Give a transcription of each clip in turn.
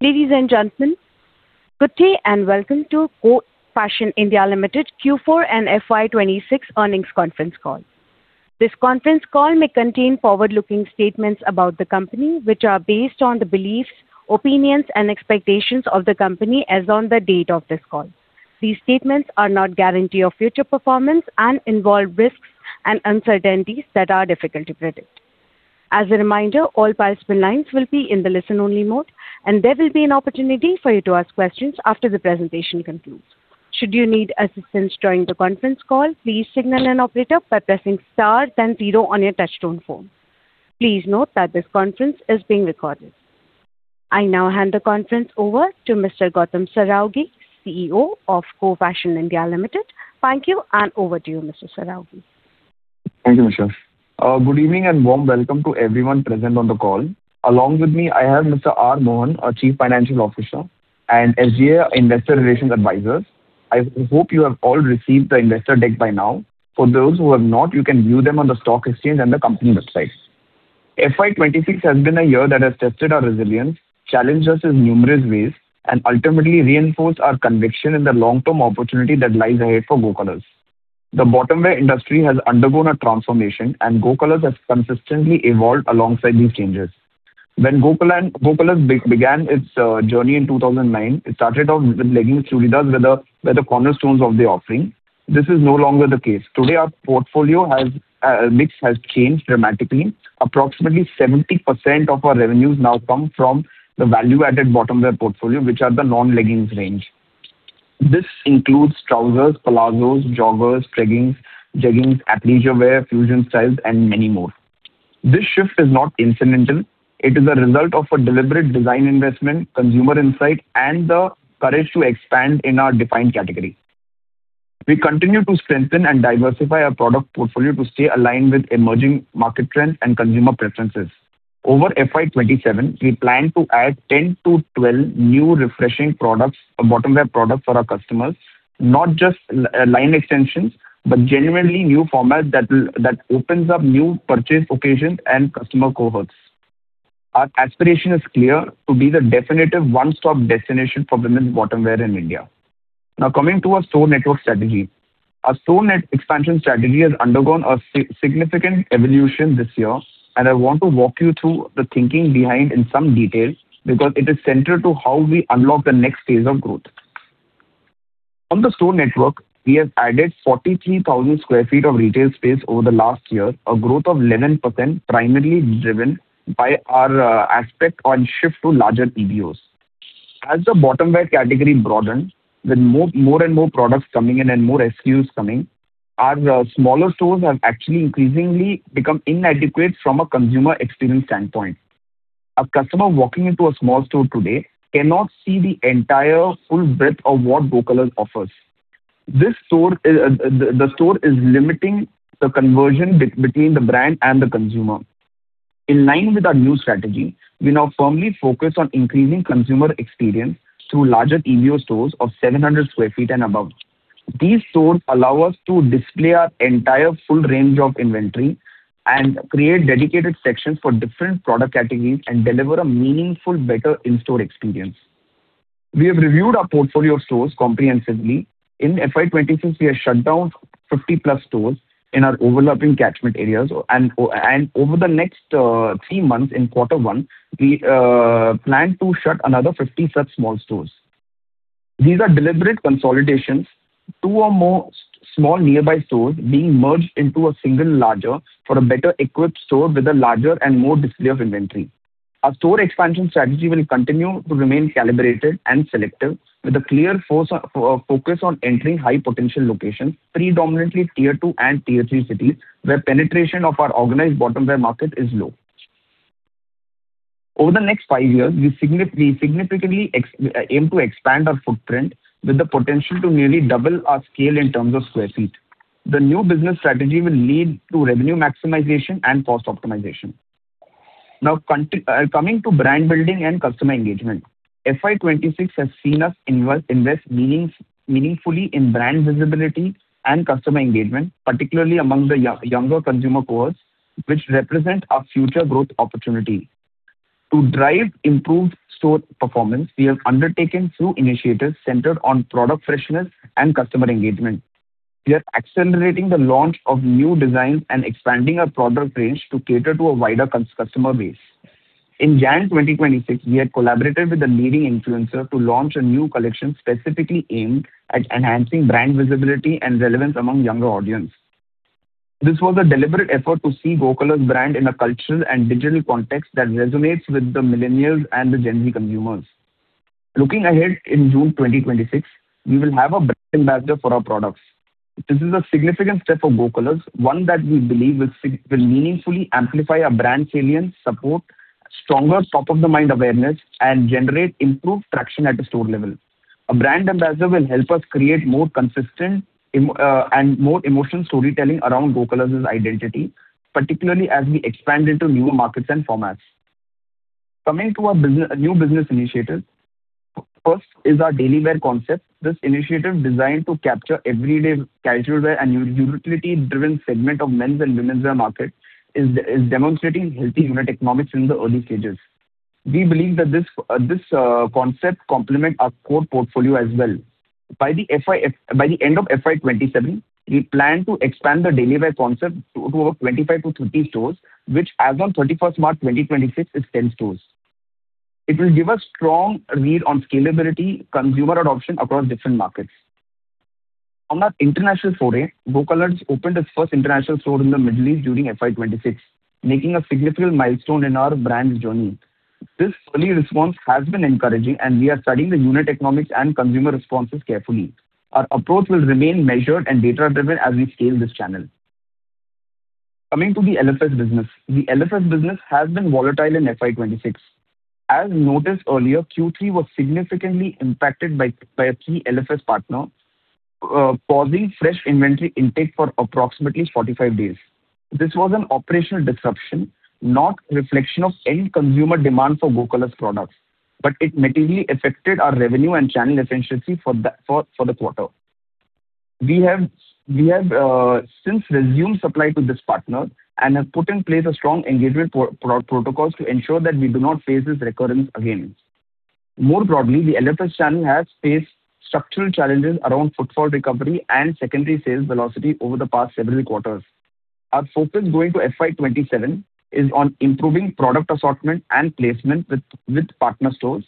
Ladies and gentlemen, good day and welcome to Go Fashion (India) Limited Q4 and FY 2026 earnings conference call. This conference call may contain forward-looking statements about the company, which are based on the beliefs, opinions, and expectations of the company as on the date of this call. These statements are not guarantee of future performance and involve risks and uncertainties that are difficult to predict. As a reminder, all participant lines will be in the listen-only mode, and there will be an opportunity for you to ask questions after the presentation concludes. Should you need assistance during the conference call, please signal an operator by pressing star then zero on your touchtone phone. Please note that this conference is being recorded. I now hand the conference over to Mr. Gautam Saraogi, CEO of Go Fashion (India) Limited. Thank you, and over to you, Mr. Saraogi. Thank you, Michelle. Good evening and warm welcome to everyone present on the call. Along with me, I have Mr. R. Mohan, our Chief Financial Officer, and SGA Investor Relations Advisors. I hope you have all received the investor deck by now. For those who have not, you can view them on the stock exchange and the company websites. FY 2026 has been a year that has tested our resilience, challenged us in numerous ways, and ultimately reinforced our conviction in the long-term opportunity that lies ahead for Go Colors. The bottom wear industry has undergone a transformation. Go Colors has consistently evolved alongside these changes. When Go Colors began its journey in 2009, it started off with leggings, churidars were the cornerstones of the offering. This is no longer the case. Today, our portfolio mix has changed dramatically. Approximately 70% of our revenues now come from the value-added bottom wear portfolio, which are the non-leggings range. This includes trousers, palazzos, joggers, treggings, jeggings, athleisure wear, fusion styles, and many more. This shift is not incidental. It is a result of a deliberate design investment, consumer insight, and the courage to expand in our defined category. We continue to strengthen and diversify our product portfolio to stay aligned with emerging market trends and consumer preferences. Over FY 2027, we plan to add 10-12 new refreshing products, a bottom wear product for our customers, not just line extensions, but genuinely new format that opens up new purchase occasions and customer cohorts. Our aspiration is clear. To be the definitive one-stop destination for women's bottom wear in India. Now coming to our store network strategy. Our store net expansion strategy has undergone a significant evolution this year, and I want to walk you through the thinking behind in some detail because it is central to how we unlock the next phase of growth. On the store network, we have added 43,000 sq ft of retail space over the last year, a growth of 11%, primarily driven by our aspect on shift to larger EBOs. As the bottom wear category broadened, with more and more products coming in and more SKUs coming, our smaller stores have actually increasingly become inadequate from a consumer experience standpoint. A customer walking into a small store today cannot see the entire full breadth of what Go Colors offers. This store, the store is limiting the conversion between the brand and the consumer. In line with our new strategy, we now firmly focus on increasing consumer experience through larger EBO stores of 700 sq ft and above. These stores allow us to display our entire full range of inventory and create dedicated sections for different product categories and deliver a meaningful, better in-store experience. We have reviewed our portfolio of stores comprehensively. In FY 2026, we have shut down 50+ stores in our overlapping catchment areas and over the next three months in quarter 1, we plan to shut another 50 such small stores. These are deliberate consolidations, two or more small nearby stores being merged into a single larger for a better-equipped store with a larger and more display of inventory. Our store expansion strategy will continue to remain calibrated and selective with a clear focus on entering high-potential locations, predominantly Tier 2 and Tier 3 cities, where penetration of our organized bottom wear market is low. Over the next five years, we significantly aim to expand our footprint with the potential to nearly double our scale in terms of square feet. The new business strategy will lead to revenue maximization and cost optimization. Now coming to brand building and customer engagement. FY 2026 has seen us invest meaningfully in brand visibility and customer engagement, particularly among the younger consumer cohorts, which represent our future growth opportunity. To drive improved store performance, we have undertaken through initiatives centered on product freshness and customer engagement. We are accelerating the launch of new designs and expanding our product range to cater to a wider customer base. In January 2026, we had collaborated with a leading influencer to launch a new collection specifically aimed at enhancing brand visibility and relevance among younger audience. This was a deliberate effort to see Go Colors brand in a cultural and digital context that resonates with the Millennials and the Gen Z consumers. Looking ahead in June 2026, we will have a brand ambassador for our products. This is a significant step for Go Colors, one that we believe will meaningfully amplify our brand salience, support stronger top-of-the-mind awareness, and generate improved traction at the store level. A brand ambassador will help us create more consistent and more emotional storytelling around Go Colors' identity, particularly as we expand into new markets and formats. Coming to our new business initiatives. First is our Daily Wear concept. This initiative designed to capture everyday casual wear and utility driven segment of men's and women's wear market is demonstrating healthy unit economics in the early stages. We believe that this concept complement our core portfolio as well. By the end of FY 2027, we plan to expand the Daily Wear concept to over 25-30 stores, which as on 31st March 2026 is 10 stores. It will give a strong read on scalability, consumer adoption across different markets. On our international foray, Go Colors opened its first international store in the Middle East during FY 2026, making a significant milestone in our brand journey. This early response has been encouraging, and we are studying the unit economics and consumer responses carefully. Our approach will remain measured and data-driven as we scale this channel. Coming to the LFS business. The LFS business has been volatile in FY 2026. As noticed earlier, Q3 was significantly impacted by a key LFS partner pausing fresh inventory intake for approximately 45 days. This was an operational disruption, not reflection of any consumer demand for Go Colors products, but it negatively affected our revenue and channel efficiency for the quarter. We have since resumed supply to this partner and have put in place a strong engagement protocols to ensure that we do not face this recurrence again. More broadly, the LFS channel has faced structural challenges around footfall recovery and secondary sales velocity over the past several quarters. Our focus going to FY 2027 is on improving product assortment and placement with partner stores,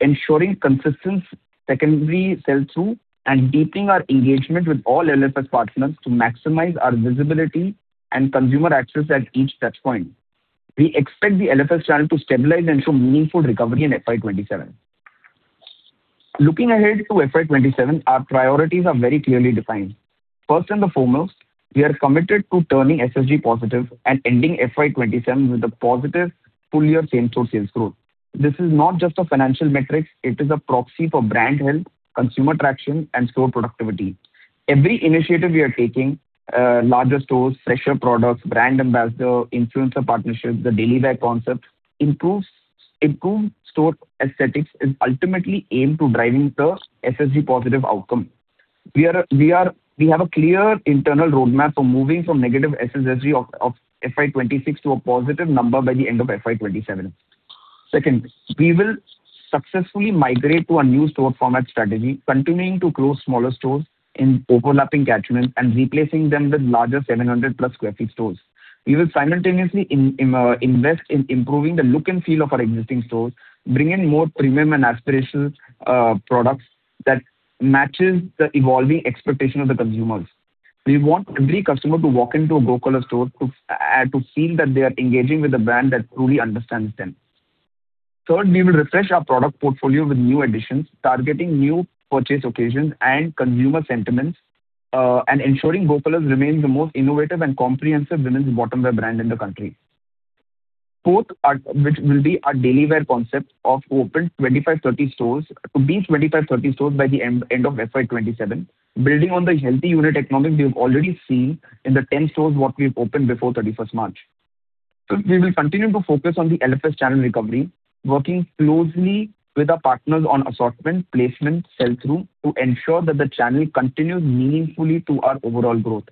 ensuring consistent secondary sell-through, and deepening our engagement with all LFS partners to maximize our visibility and consumer access at each touch point. We expect the LFS channel to stabilize and show meaningful recovery in FY 2027. Looking ahead to FY 2027, our priorities are very clearly defined. First and foremost, we are committed to turning SSG positive and ending FY 2027 with a positive full-year same-store sales growth. This is not just a financial metric, it is a proxy for brand health, consumer traction, and store productivity. Every initiative we are taking, larger stores, fresher products, brand ambassador, influencer partnerships, the Daily Wear concept, improved store aesthetics is ultimately aimed to driving the SSG positive outcome. We have a clear internal roadmap for moving from negative SSG of FY 2026 to a positive number by the end of FY 2027. Second, we will successfully migrate to a new store format strategy, continuing to close smaller stores in overlapping catchments and replacing them with larger 700+ sq ft stores. We will simultaneously invest in improving the look and feel of our existing stores, bring in more premium and aspirational products that matches the evolving expectation of the consumers. We want every customer to walk into a Go Colors store to feel that they are engaging with a brand that truly understands them. Third, we will refresh our product portfolio with new additions, targeting new purchase occasions and consumer sentiments, and ensuring Go Colors remains the most innovative and comprehensive women's bottom wear brand in the country. Fourth, which will be our Daily Wear concept of opened 25-30 stores, to be 25-30 stores by the end of FY 2027, building on the healthy unit economics we've already seen in the 10 stores what we've opened before 31st March. Fifth, we will continue to focus on the LFS channel recovery, working closely with our partners on assortment, placement, sell-through to ensure that the channel contributes meaningfully to our overall growth.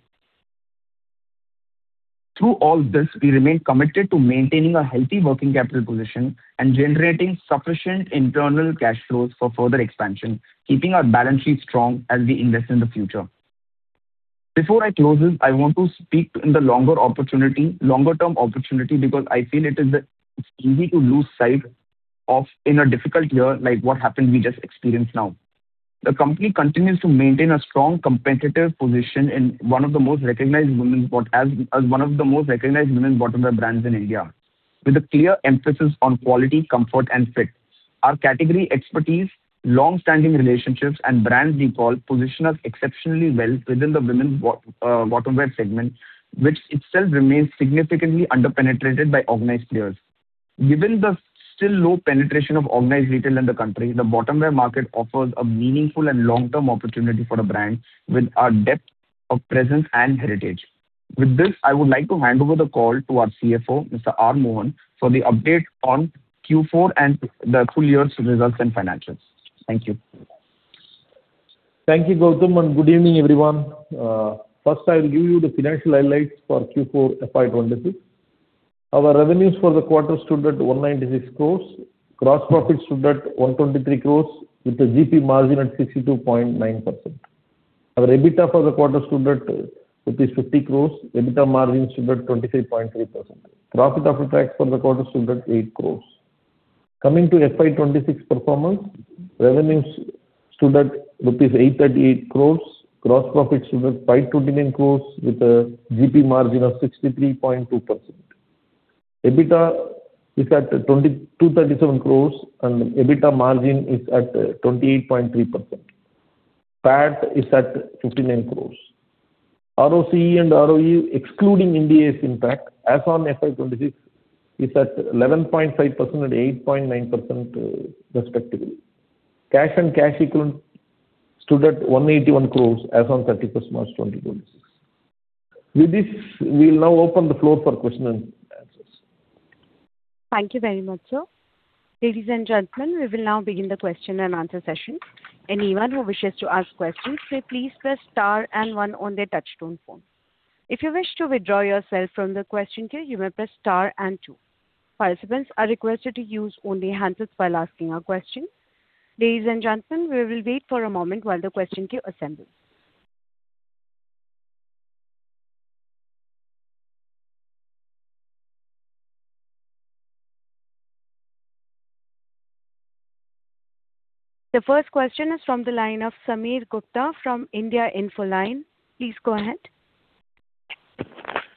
Through all this, we remain committed to maintaining a healthy working capital position and generating sufficient internal cash flows for further expansion, keeping our balance sheet strong as we invest in the future. Before I close this, I want to speak in the longer opportunity, longer term opportunity because I feel it's easy to lose sight of in a difficult year like what happened we just experienced now. The company continues to maintain a strong competitive position in one of the most recognized women's bottom-wear brands in India with a clear emphasis on quality, comfort, and fit. Our category expertise, long-standing relationships, and brand recall position us exceptionally well within the women's bottom-wear segment which itself remains significantly under-penetrated by organized players. Given the still low penetration of organized retail in the country, the bottom-wear market offers a meaningful and long-term opportunity for the brand with our depth of presence and heritage. With this, I would like to hand over the call to our CFO, Mr. R. Mohan, for the update on Q4 and the full year's results and financials. Thank you. Thank you, Gautam, and good evening, everyone. First I'll give you the financial highlights for Q4 FY 2026. Our revenues for the quarter stood at 196 crores. Gross profit stood at 123 crores with a GP margin at 62.9%. Our EBITDA for the quarter stood at rupees 50 crores. EBITDA margin stood at 25.3%. Profit after tax for the quarter stood at 8 crores. Coming to FY 2026 performance, revenues stood at rupees 838 crores. Gross profit stood at 529 crores with a GP margin of 63.2%. EBITDA is at 237 crores and EBITDA margin is at 28.3%. PAT is at 59 crores. ROCE and ROE excluding Ind AS impact as on FY 2026 is at 11.5% and 8.9%, respectively. Cash and cash equivalent stood at 181 crores as on 31st March 2020. With this, we'll now open the floor for question and answers. Thank you very much, sir. Ladies and gentlemen, we will now begin the question and answer session. Anyone who wishes to ask questions should please press star and one on their touchtone phone. If you wish to withdraw yourself from the question queue, you may press star and two. Participants are requested to use only handsets while asking a question. Ladies and gentlemen, we will wait for a moment while the question queue assembles. The first question is from the line of Sameer Gupta from India Infoline. Please go ahead.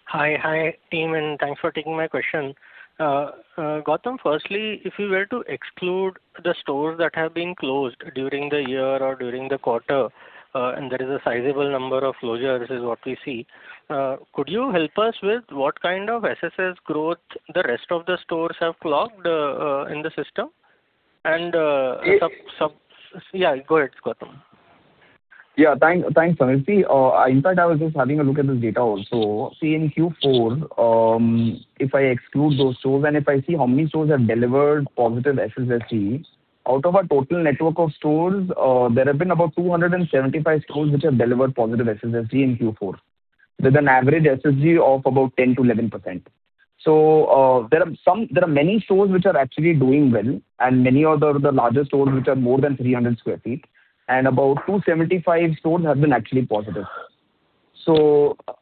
Hi, hi team, and thanks for taking my question. Gautam, firstly, if you were to exclude the stores that have been closed during the year or during the quarter, and there is a sizable number of closure, this is what we see, could you help us with what kind of SSS growth the rest of the stores have clocked in the system? Yeah. Yeah, go ahead, Gautam. Thanks, Sameer. In fact, I was just having a look at this data also. In Q4, if I exclude those stores and if I see how many stores have delivered positive SSG, out of our total network of stores, there have been about 275 stores which have delivered positive SSG in Q4 with an average SSG of about 10%-11%. There are many stores which are actually doing well and many of the larger stores which are more than 300 sq ft, and about 275 stores have been actually positive.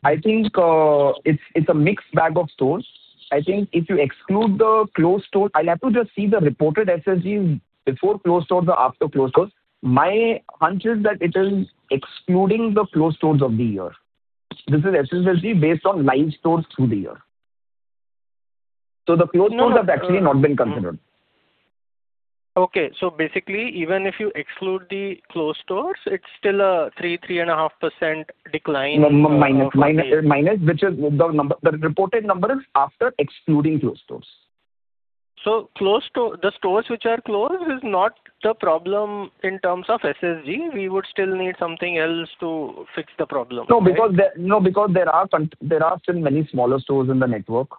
I think, it's a mixed bag of stores. I think if you exclude the closed stores, I'll have to just see the reported SSG before closed stores or after closed stores. My hunch is that it is excluding the closed stores of the year. This is SSG based on nine stores through the year. The closed stores have actually not been considered. Okay. Basically, even if you exclude the closed stores, it's still a 3.5% decline in. Minus, which is the reported number is after excluding closed stores. The stores which are closed is not the problem in terms of SSG. We would still need something else to fix the problem, right? No, because there are still many smaller stores in the network,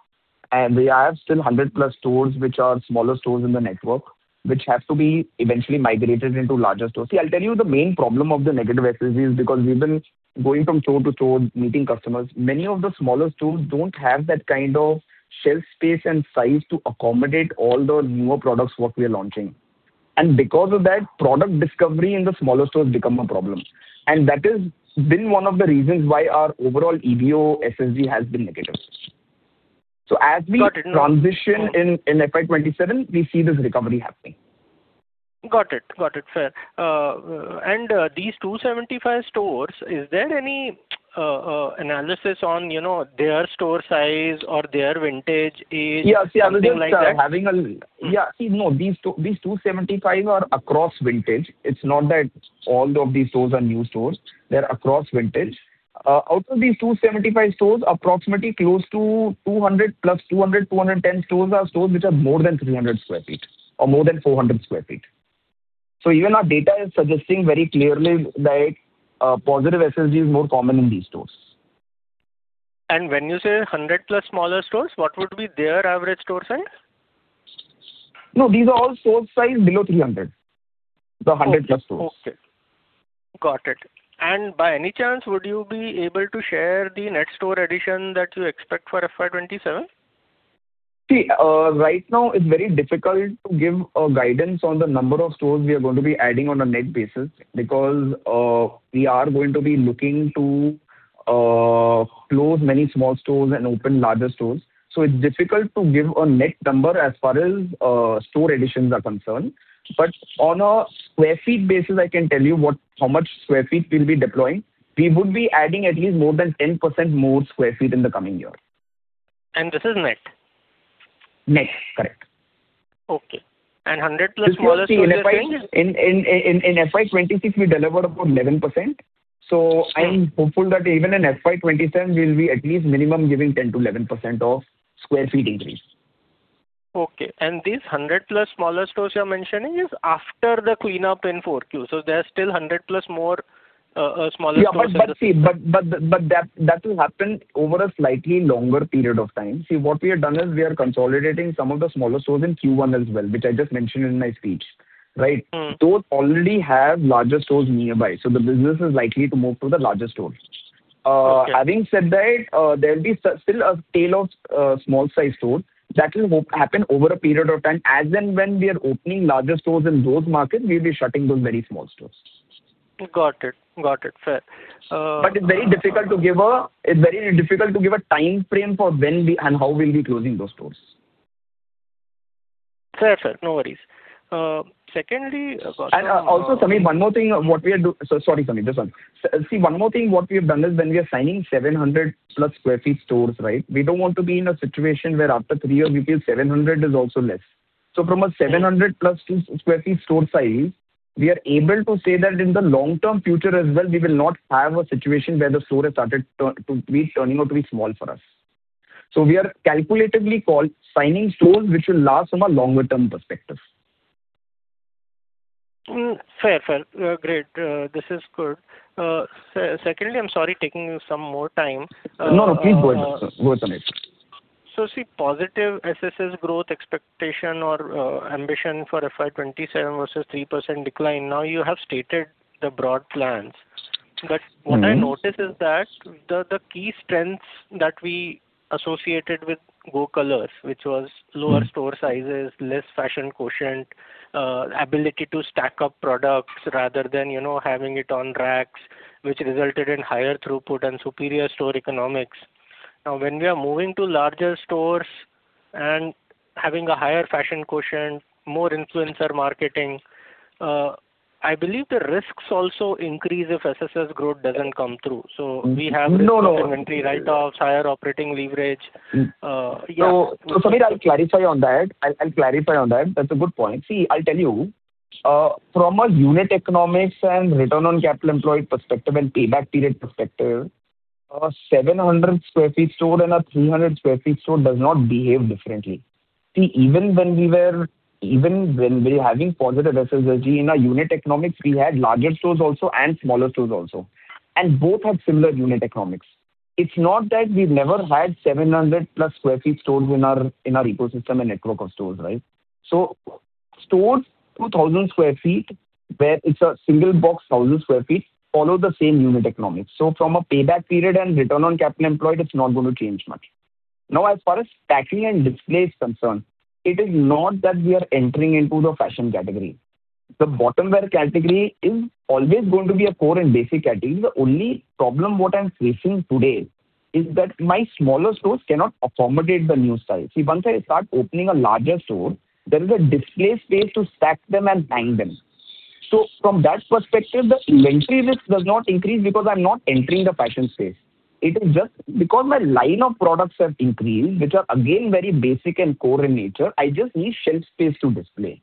and we have still 100+ stores which are smaller stores in the network, which have to be eventually migrated into larger stores. See, I'll tell you the main problem of the negative SSG is because we've been going from store to store meeting customers. Many of the smaller stores don't have that kind of shelf space and size to accommodate all the newer products what we are launching. Because of that, product discovery in the smaller stores become a problem. That is been one of the reasons why our overall EBO SSG has been negative. Got it. As we transition in FY 2027, we see this recovery happening. Got it. Got it. Fair. These 275 stores, is there any analysis on, you know, their store size or their vintage age, something like that? These 275 stores are across vintage. It's not that all of these stores are new stores. They're across vintage. Out of these 275 stores, approximately close to 200+ stores, 210 stores are stores which are more than 300 sq ft or more than 400 sq ft. Even our data is suggesting very clearly that positive SSG is more common in these stores. When you say 100+ smaller stores, what would be their average store size? No, these are all store size below 300 sq ft. The 100+ stores. Okay. Okay, got it. By any chance, would you be able to share the net store addition that you expect for FY 2027? Right now it's very difficult to give a guidance on the number of stores we are going to be adding on a net basis because we are going to be looking to close many small stores and open larger stores. It's difficult to give a net number as far as store additions are concerned. On a square feet basis, I can tell you how much square feet we'll be deploying. We would be adding at least more than 10% more square feet in the coming year. This is net? Net, correct. Okay. 100+ smaller stores you are saying? In FY 2026 we delivered about 11%, so I'm hopeful that even in FY 2027 we'll be at least minimum giving 10%-11% of square feet increase. Okay. These 100+ smaller stores you're mentioning is after the cleanup in 4Q. There are still 100+ more smaller stores. Yeah, that will happen over a slightly longer period of time. What we have done is we are consolidating some of the smaller stores in Q1 as well, which I just mentioned in my speech. Right. Mm. Those already have larger stores nearby, so the business is likely to move to the larger stores. Okay. Having said that, there'll be still a tail of small size stores that will happen over a period of time. As and when we are opening larger stores in those markets, we'll be shutting those very small stores. Got it. Got it. Fair. It's very difficult to give a timeframe for when we and how we'll be closing those stores. Fair, fair. No worries. Secondly, Gautam. Sorry, Sameer. This one. One more thing, what we have done is when we are signing 700+ sq ft stores, right? We don't want to be in a situation where after three years we feel 700 sq ft is also less. From a 700+ sq ft store size, we are able to say that in the long-term future as well, we will not have a situation where the store has started turning out to be small for us. We are calculatively signing stores which will last from a longer-term perspective. Fair, fair. Great. Secondly, I'm sorry taking some more time. No, no. Please go ahead, Sameer. See positive SSS growth expectation or ambition for FY 2027 versus 3% decline. Now you have stated the broad plans. What I notice is that the key strengths that we associated with Go Colors, which was lower store sizes, less fashion quotient, ability to stack up products rather than, you know, having it on racks, which resulted in higher throughput and superior store economics. Now, when we are moving to larger stores and having a higher fashion quotient, more influencer marketing, I believe the risks also increase if SSS growth doesn't come through. No, no. -risk of inventory write-offs, higher operating leverage. yeah. First I'll clarify on that. That's a good point. I'll tell you, from a unit economics and return on capital employed perspective and payback period perspective, a 700 sq ft store and a 300 sq ft store does not behave differently. Even when we're having positive SSG in our unit economics, we had larger stores also and smaller stores also, and both have similar unit economics. It's not that we've never had 700+ sq ft stores in our ecosystem and network of stores, right? Stores 2,000 sq ft, where it's a single box 1,000 sq ft, follow the same unit economics. From a payback period and return on capital employed, it's not going to change much. As far as stacking and display is concerned, it is not that we are entering into the fashion category. The bottom wear category is always going to be a core and basic category. The only problem what I am facing today is that my smaller stores cannot accommodate the new size. Once I start opening a larger store, there is a display space to stack them and hang them. From that perspective, the inventory risk does not increase because I am not entering the fashion space. It is just because my line of products have increased, which are again very basic and core in nature, I just need shelf space to display.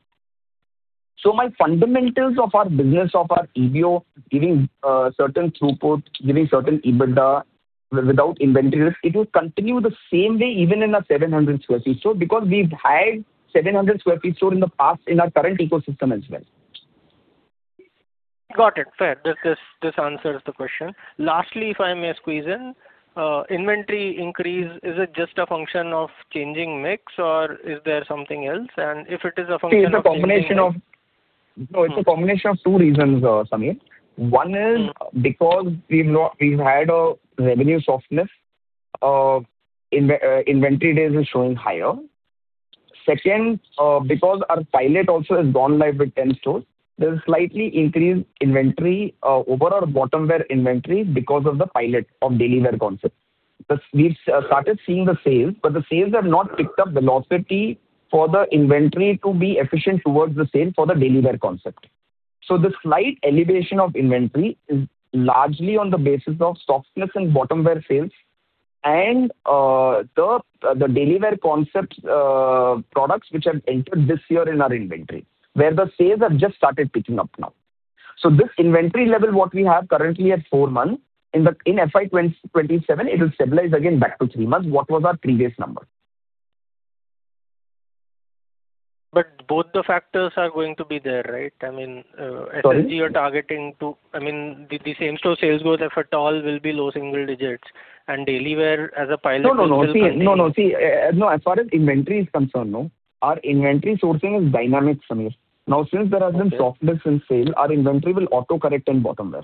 My fundamentals of our business, of our EBITDA giving certain throughput, giving certain EBITDA without inventory risk, it will continue the same way even in our 700 sq ft store because we've had 700 sq ft store in the past in our current ecosystem as well. Got it. Fair. This answers the question. Lastly, if I may squeeze in, inventory increase, is it just a function of changing mix or is there something else? It's a combination of two reasons, Sameer. One is because we've had a revenue softness, inventory days is showing higher. Second, because our pilot also has gone live with 10 stores, there's slightly increased inventory over our bottom-wear inventory because of the pilot of Daily Wear concept. We've started seeing the sales, but the sales have not picked up velocity for the inventory to be efficient towards the sale for the Daily Wear concept. The slight elevation of inventory is largely on the basis of softness in bottom-wear sales and the Daily Wear concept products which have entered this year in our inventory, where the sales have just started picking up now. This inventory level what we have currently at four months, in FY 2027, it will stabilize again back to three months, what was our previous number. Both the factors are going to be there, right? I mean, Sorry? SSG you're targeting, I mean, the same-store sales growth, if at all, will be low single digits. Daily Wear as a pilot will still continue. As far as inventory is concerned, our inventory sourcing is dynamic, Sameer. Now, since there has been softness in sale, our inventory will autocorrect in bottom wear.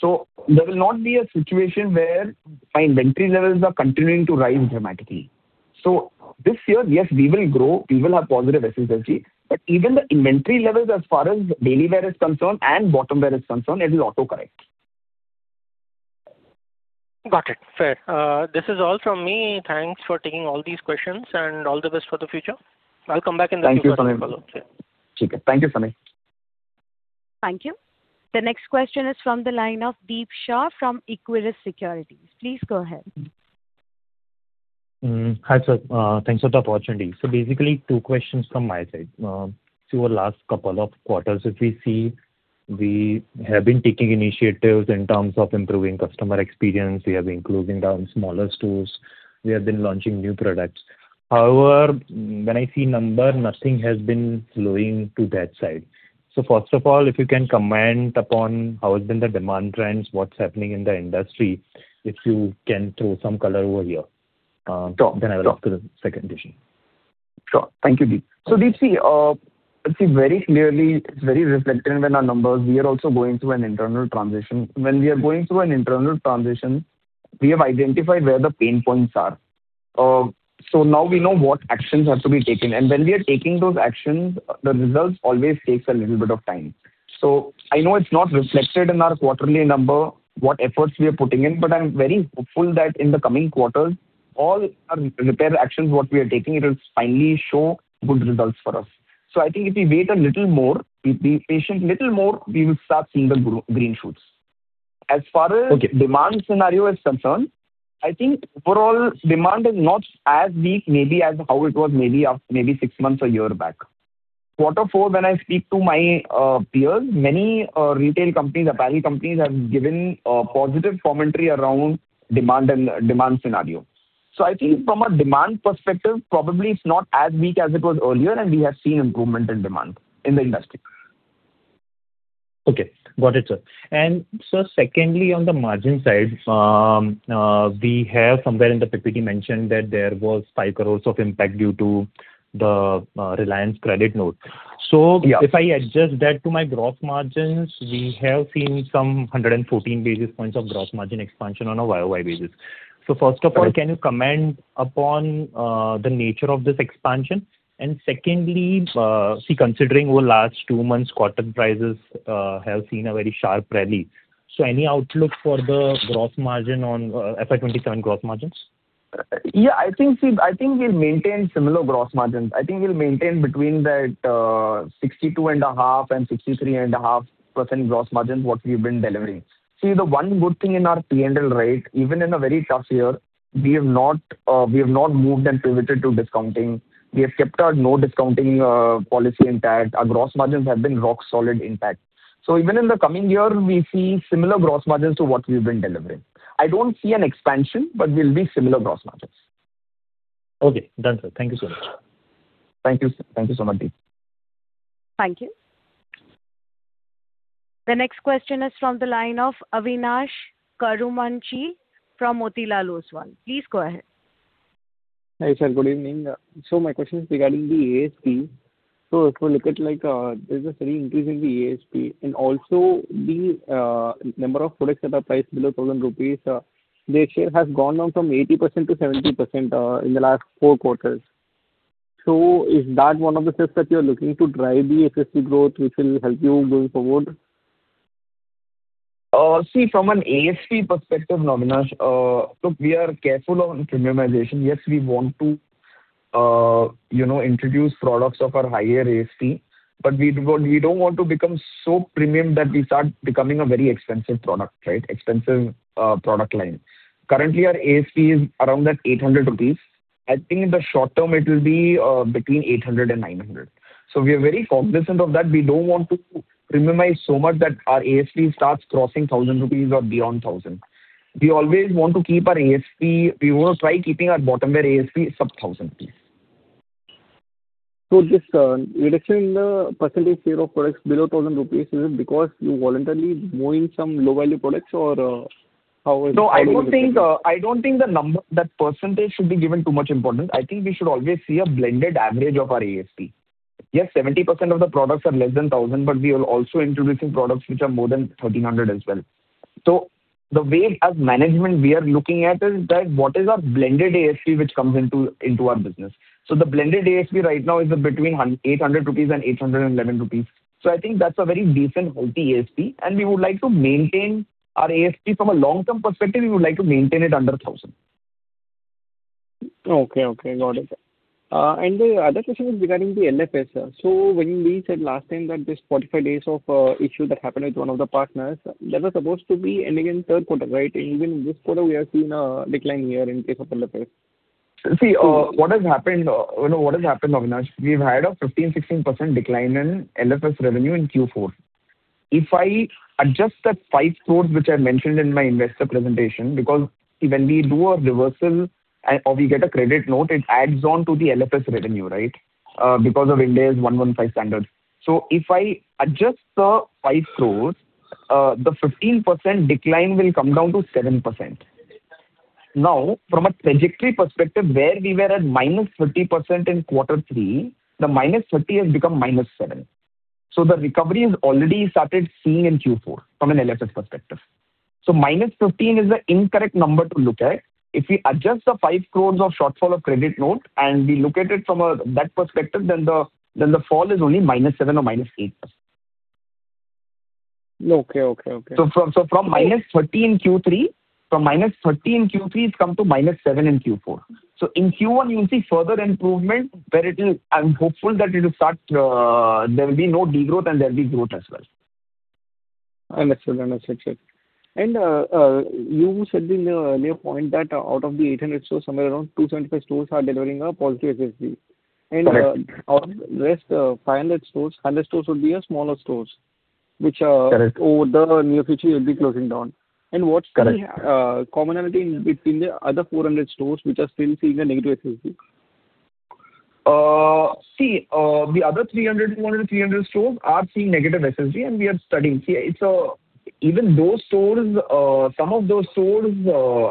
There will not be a situation where my inventory levels are continuing to rise dramatically. This year, yes, we will grow, we will have positive SSG, but even the inventory levels as far as Daily Wear is concerned and bottom wear is concerned, it will autocorrect. Got it. Fair. This is all from me. Thanks for taking all these questions and all the best for the future. I'll come back in the Q&A follow-up. Yeah. Thank you, Sameer. Thank you. The next question is from the line of Deep Shah from Equirus Securities. Please go ahead. Hi, sir. Thanks for the opportunity. Basically two questions from my side. The last couple of quarters, if we see, we have been taking initiatives in terms of improving customer experience, we have been closing down smaller stores, we have been launching new products. However, when I see number, nothing has been flowing to that side. First of all, if you can comment upon how has been the demand trends, what's happening in the industry, if you can throw some color over here. I will look to the second question. Sure. Thank you, Deep. Deep, see very clearly it's very reflected in our numbers. We are also going through an internal transition. When we are going through an internal transition, we have identified where the pain points are. Now we know what actions have to be taken. When we are taking those actions, the results always takes a little bit of time. I know it's not reflected in our quarterly number what efforts we are putting in, but I'm very hopeful that in the coming quarters all our repair actions what we are taking it will finally show good results for us. I think if we wait a little more, be patient little more, we will start seeing the green shoots. Okay. As far as demand scenario is concerned, I think overall demand is not as weak maybe as how it was maybe six months or a year back. Quarter 4, when I speak to my peers, many retail companies, apparel companies have given positive commentary around demand and demand scenario. I think from a demand perspective, probably it's not as weak as it was earlier, and we have seen improvement in demand in the industry. Okay. Got it, sir. Sir, secondly, on the margin side, we have somewhere in the PPT mentioned that there was 5 crores of impact due to the Reliance credit note. Yeah. If I adjust that to my gross margins, we have seen some 114 basis points of gross margin expansion on a YOY basis. Correct. Can you comment upon the nature of this expansion? Secondly, see, considering over last two months, cotton prices have seen a very sharp rally. Any outlook for the gross margin on FY 2027 gross margins? Yeah, I think, see, I think we'll maintain similar gross margins. I think we'll maintain between that 62.5% and 63.5% gross margins, what we've been delivering. See, the one good thing in our P&L, right? Even in a very tough year, we have not moved and pivoted to discounting. We have kept our no discounting policy intact. Our gross margins have been rock solid intact. Even in the coming year, we see similar gross margins to what we've been delivering. I don't see an expansion, we'll be similar gross margins. Okay. Done, sir. Thank you so much. Thank you. Thank you so much, Deep. Thank you. The next question is from the line of Avinash Karumanchi from Motilal Oswal. Please go ahead. Hi, sir. Good evening. My question is regarding the ASP. If you look at like, there's a steady increase in the ASP and also the number of products that are priced below 1,000 rupees, their share has gone down from 80%-70% in the last four quarters. Is that one of the steps that you're looking to drive the ASP growth which will help you going forward? See, from an ASP perspective, Avinash, look, we are careful on premiumization. Yes, we want to, you know, introduce products of a higher ASP, but we don't, we don't want to become so premium that we start becoming a very expensive product, right? Expensive product line. Currently, our ASP is around that 800 rupees. I think in the short term it will be between 800-900. We are very cognizant of that. We don't want to premiumize so much that our ASP starts crossing 1,000 rupees or beyond 1,000. We always want to keep our ASP. We want to try keeping our bottom-wear ASP sub 1,000 rupees. This reduction in the percentage share of products below 1,000 rupees, is it because you voluntarily moving some low-value products or? I don't think that percentage should be given too much importance. I think we should always see a blended average of our ASP. 70% of the products are less than 1,000, but we are also introducing products which are more than 1,300 as well. The way as management we are looking at is that what is our blended ASP which comes into our business. The blended ASP right now is between 800 rupees and 811 rupees. I think that's a very decent, healthy ASP, and we would like to maintain our ASP. From a long-term perspective, we would like to maintain it under 1,000. Okay. Okay. Got it. The other question is regarding the LFS, sir. When we said last time that this 45 days of issue that happened with one of the partners, that was supposed to be ending in third quarter, right? Even this quarter we are seeing a decline here in case of LFS. See, what has happened, you know, what has happened, Avinash, we've had a 15%-16% decline in LFS revenue in Q4. If I adjust that 5 crores which I mentioned in my investor presentation, because when we do a reversal or we get a credit note, it adds on to the LFS revenue, right? Because of Ind AS 115 standards. If I adjust the 5 crores, the 15% decline will come down to 7%. Now, from a trajectory perspective, where we were at -30% in quarter three, the -30% has become -7%. The recovery has already started seeing in Q4 from an LFS perspective. -15% is an incorrect number to look at. If we adjust the 5 crores of shortfall of credit note and we look at it from that perspective, then the fall is only -7% or -8%. Okay. Okay. Okay. From -30 in Q3, it's come to -7 in Q4. In Q1 you'll see further improvement where it'll. I'm hopeful that it'll start, there will be no degrowth and there'll be growth as well. Understood. Understood, sure. You said in the earlier point that out of the 800 stores, somewhere around 275 stores are delivering a positive SSG. Correct. Out of rest, 500 stores, 100 stores would be smaller stores which. Correct. Over the near future you'll be closing down. Correct. What's the commonality between the other 400 stores which are still seeing a negative SSG? See, the other 300 stores, more than 300 stores are seeing negative SSG, and we are studying. See, it's, even those stores, some of those stores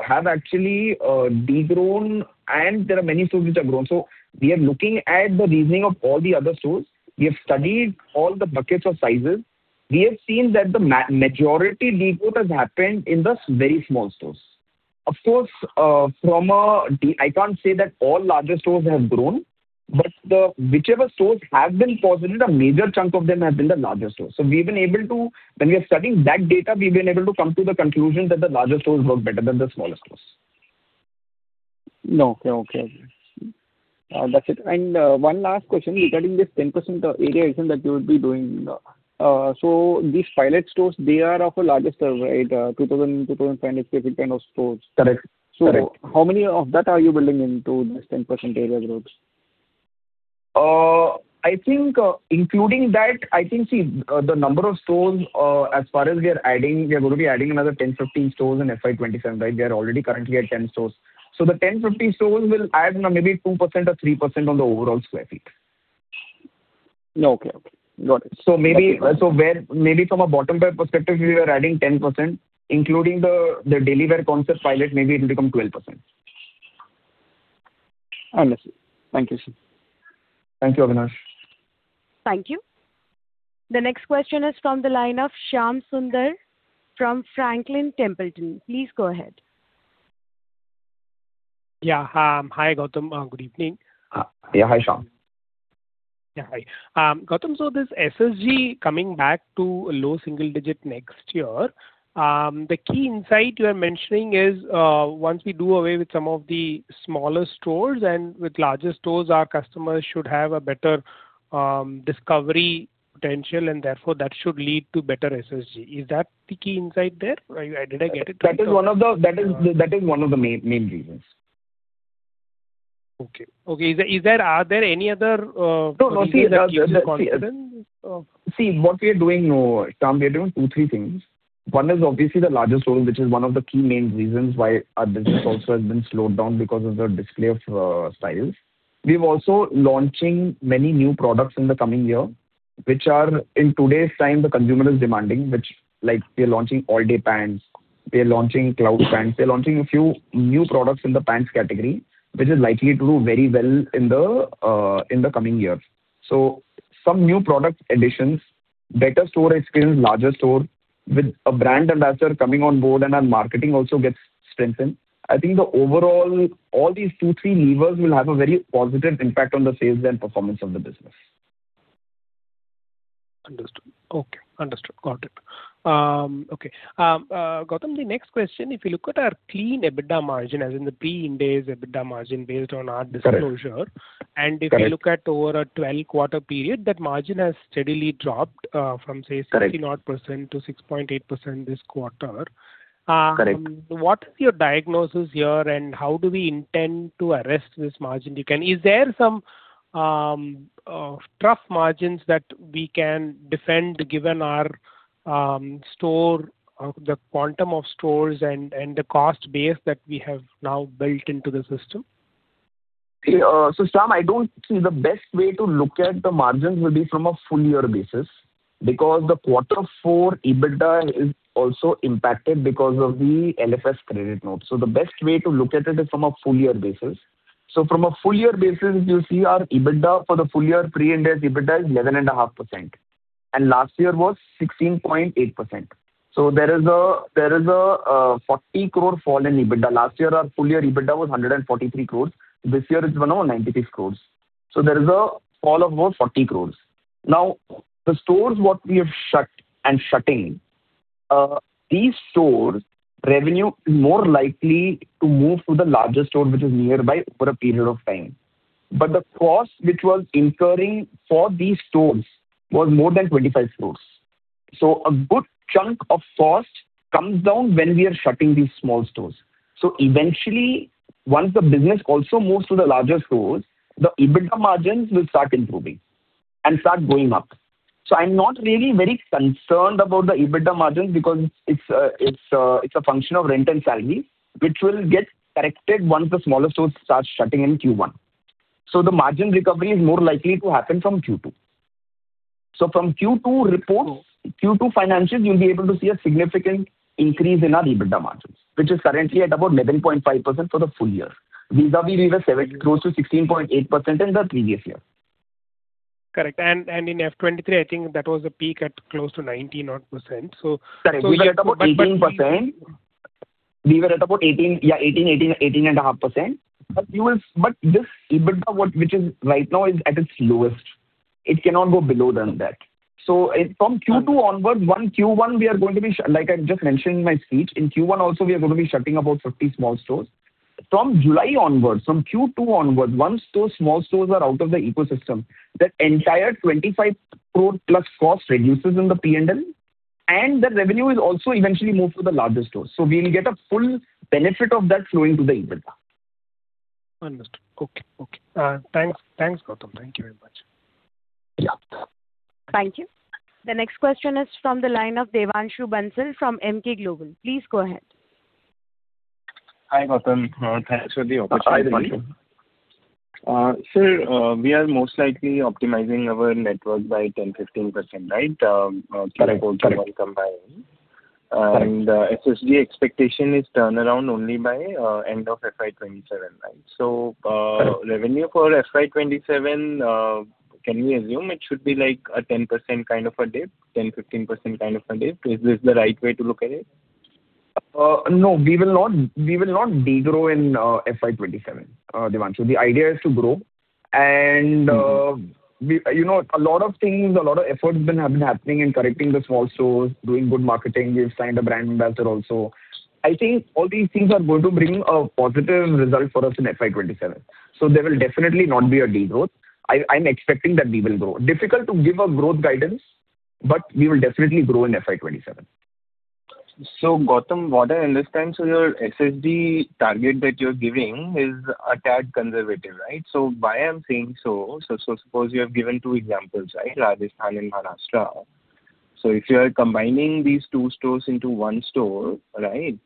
have actually de-grown and there are many stores which have grown. We are looking at the reasoning of all the other stores. We have studied all the buckets of sizes. We have seen that the majority degrowth has happened in the very small stores. Of course, I can't say that all larger stores have grown, but the, whichever stores have been positive, a major chunk of them have been the larger stores. When we are studying that data, we've been able to come to the conclusion that the larger stores work better than the smaller stores. Okay. Okay. That's it. One last question regarding this 10% area expansion that you will be doing. These pilot stores, they are of a larger size, right? 2,000 sq ft-2,500 sq ft kind of stores. Correct. Correct. How many of that are you building into this 10% area growth? I think, including that, I think, see, the number of stores, as far as we are adding, we are going to be adding another 10 stores, 15 stores in FY 2027, right? We are already currently at 10 stores. The 10 stores, 15 stores will add maybe 2% or 3% on the overall square feet. Okay. Okay. Got it. Maybe from a bottom line perspective, we were adding 10%, including the Daily Wear concept pilot, maybe it'll become 12%. Understood. Thank you, sir. Thank you, Avinash. Thank you. The next question is from the line of Shyam Sundar from Franklin Templeton. Please go ahead. Yeah. Hi, Gautam. Good evening. Yeah. Hi, Shyam. Yeah. Hi. Gautam, this SSG coming back to low single digit next year, the key insight you are mentioning is, once we do away with some of the smaller stores and with larger stores, our customers should have a better discovery potential and therefore that should lead to better SSG. Is that the key insight there? Did I get it right? That is one of the, that is one of the main reasons. Okay. Okay. Are there any other reason that gives you confidence? No, no. See, see, what we are doing now, Shyam, we are doing 2, 3 things. One is obviously the larger stores, which is one of the key main reasons why our business also has been slowed down because of the display of styles. We're also launching many new products in the coming year, which are, in today's time, the consumer is demanding, which like we are launching all-day pants, we are launching cloud pants. We are launching a few new products in the pants category, which is likely to do very well in the coming years. Some new product additions, better store experience, larger store with a brand ambassador coming on board and our marketing also gets strengthened. I think the overall, all these 2, 3 levers will have a very positive impact on the sales and performance of the business. Understood. Okay. Understood. Got it. Okay. Gautam, the next question, if you look at our clean EBITDA margin, as in the pre-Ind AS EBITDA margin based on our disclosure. Correct. If you look at over a 12-quarter period, that margin has steadily dropped, from. Correct... 60% odd to 6.8% this quarter. Correct. What is your diagnosis here and how do we intend to arrest this margin decline? Is there some tough margins that we can defend given our store, the quantum of stores and the cost base that we have now built into the system? Okay. Shyam, the best way to look at the margins will be from a full year basis because the quarter four EBITDA is also impacted because of the LFS credit note. The best way to look at it is from a full year basis. From a full year basis, you'll see our EBITDA for the full year, pre and post EBITDA is 11.5%, and last year was 16.8%. There is a 40 crore fall in EBITDA. Last year, our full year EBITDA was 143 crores. This year it's 193 crores. There is a fall of about 40 crores. The stores what we have shut and shutting, these stores' revenue is more likely to move to the larger store which is nearby for a period of time. The cost which was incurring for these stores was more than 25 crore. A good chunk of cost comes down when we are shutting these small stores. Eventually, once the business also moves to the larger stores, the EBITDA margins will start improving and start going up. I'm not really very concerned about the EBITDA margins because it's, it's a function of rent and salary which will get corrected once the smaller stores start shutting in Q1. The margin recovery is more likely to happen from Q2. From Q2 reports, Q2 financials, you'll be able to see a significant increase in our EBITDA margins, which is currently at about 11.5% for the full year. Vis-a-vis we were close to 16.8% in the previous year. Correct. In FY 2023, I think that was a peak at close to 90% odd. Correct. We were at about 18%. But, but we- We were at about 18, yeah, 18.5%. This EBITDA, which is right now is at its lowest, it cannot go below than that. From Q2 onwards, Q1 we are going to be, like I just mentioned in my speech, in Q1 also we are going to be shutting about 50 small stores. From July onwards, from Q2 onwards, once those small stores are out of the ecosystem, that entire 25 crore plus cost reduces in the P&L, and the revenue is also eventually moved to the larger stores. We'll get a full benefit of that flowing to the EBITDA. Understood. Okay. Okay. Thanks. Thanks, Gautam. Thank you very much. Yeah. Thank you. The next question is from the line of Devanshu Bansal from Emkay Global. Please go ahead. Hi, Gautam. Thanks for the opportunity. Hi, Devanshu. sir, we are most likely optimizing our network by 10%-15%, right? Correct. Correct. Q4 combined. Correct. SSG expectation is turnaround only by end of FY 2027, right? Correct Revenue for FY 2027, can we assume it should be like a 10% kind of a dip, 10%-15% kind of a dip? Is this the right way to look at it? No. We will not de-grow in FY 2027, Devanshu. The idea is to grow. Mm-hmm We, you know, a lot of things, a lot of efforts have been happening in correcting the small stores, doing good marketing. We've signed a brand ambassador also. I think all these things are going to bring a positive result for us in FY 2027. There will definitely not be a de-growth. I'm expecting that we will grow. Difficult to give a growth guidance, but we will definitely grow in FY 2027. Gautam, what I understand, your SSG target that you're giving is a tad conservative, right? Why I'm saying so, suppose you have given two examples, right? Rajasthan and Maharashtra. If you are combining these two stores into one store, right?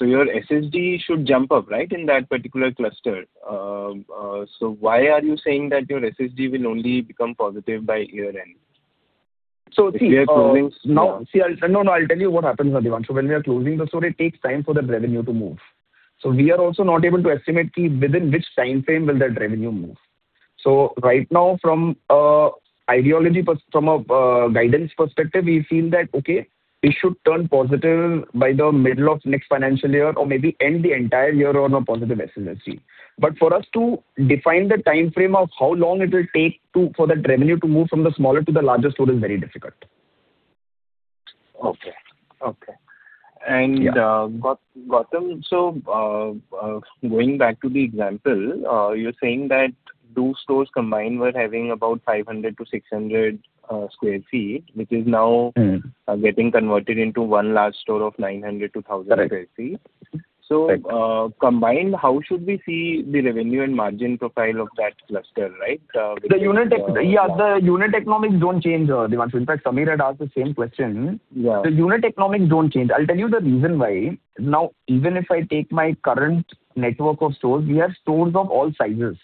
Your SSG should jump up, right, in that particular cluster. Why are you saying that your SSG will only become positive by year-end? See. If we are closing- No. See, I'll tell you what happens, Devanshu. When we are closing the store, it takes time for the revenue to move. We are also not able to estimate key within which time frame will that revenue move. Right now, from ideology, from a guidance perspective, we feel that, okay, we should turn positive by the middle of next financial year or maybe end the entire year on a positive SSG. For us to define the time frame of how long it will take for that revenue to move from the smaller to the larger store is very difficult. Okay. Okay. Yeah. Gautam, going back to the example, you're saying that two stores combined were having about 500 sq ft-600 sq ft, which is now. Mm-hmm getting converted into one large store of 900 sq ft-1,000 sq ft. Correct. So- Correct combined, how should we see the revenue and margin profile of that cluster, right? Yeah, the unit economics don't change, Devanshu. In fact, Sameer had asked the same question. Yeah. The unit economics don't change. I'll tell you the reason why. Even if I take my current network of stores, we have stores of all sizes.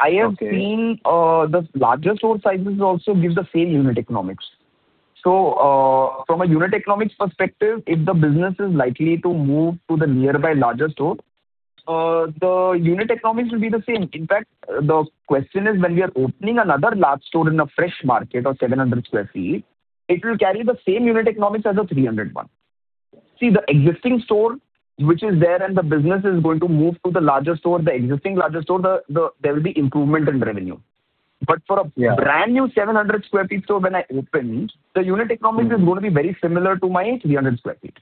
Okay. I have seen, the larger store sizes also give the same unit economics. From a unit economics perspective, if the business is likely to move to the nearby larger store, the unit economics will be the same. In fact, the question is when we are opening another large store in a fresh market of 700 sq ft, it will carry the same unit economics as a 300 sq ft one. See, the existing store which is there and the business is going to move to the larger store, the existing larger store, there will be improvement in revenue. Yeah brand-new 700 sq ft store when I open, the unit economics... Mm-hmm... is going to be very similar to my 300 sq ft.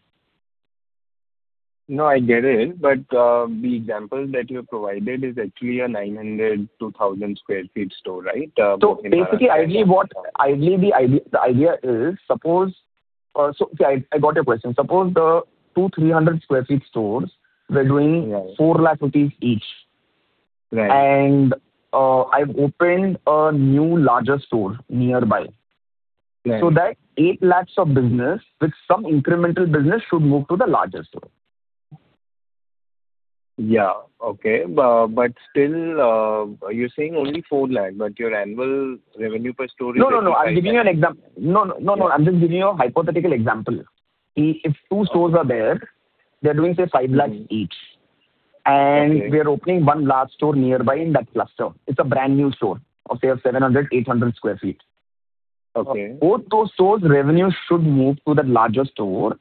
No, I get it. The example that you have provided is actually a 900 sq ft-1,000 sq ft store, right? Basically, ideally the idea is suppose. See, I got your question. Suppose the 200 sq ft-300 sq ft stores were doing. Yeah 4 lakh rupees each. Right. I've opened a new larger store nearby. Yeah. That 8 lakhs of business with some incremental business should move to the larger store. Yeah. Okay. Still, you're saying only 4 lakh. Your annual revenue per store is INR 55- No, no, no. I'm giving you an exam-- No, no. No, no. Yeah. I'm just giving you a hypothetical example. See, if two stores are there, they're doing, say, 5 lakh each. Mm-hmm. Okay. We are opening one large store nearby in that cluster. It's a brand-new store of, say, of 700 sq ft-800 sq ft. Okay. Both those stores' revenue should move to the larger store.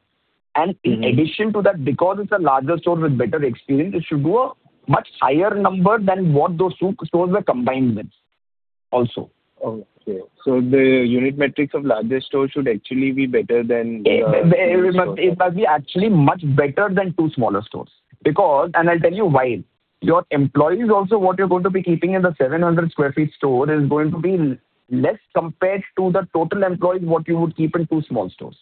Mm-hmm. In addition to that, because it's a larger store with better experience, it should do a much higher number than what those two stores were combined with also. Okay. The unit metrics of larger store should actually be better than the It must be actually much better than two smaller stores because. I'll tell you why. Your employees also, what you're going to be keeping in the 700 sq ft store is going to be less compared to the total employees what you would keep in two small stores.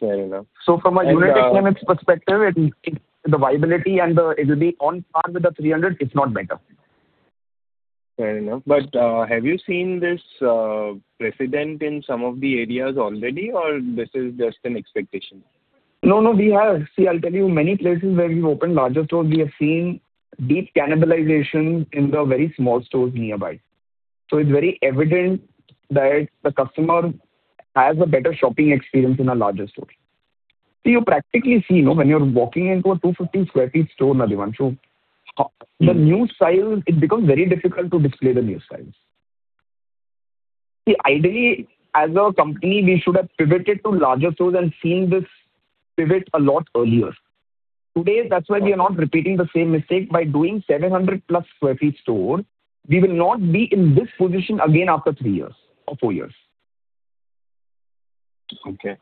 Fair enough. From a unit economics perspective, it, the viability and it'll be on par with the 300 sq ft, if not better. Fair enough. Have you seen this precedent in some of the areas already, or this is just an expectation? No, no. We have. See, I'll tell you many places where we've opened larger stores, we have seen deep cannibalization in the very small stores nearby. It's very evident that the customer has a better shopping experience in a larger store. See, you practically see, no, when you're walking into a 250 sq ft store, Devanshu. Mm-hmm. The new styles, it becomes very difficult to display the new styles. Ideally, as a company, we should have pivoted to larger stores and seen this pivot a lot earlier. Today, that's why we are not repeating the same mistake. By doing 700+ sq ft store, we will not be in this position again after three years or four years. Okay.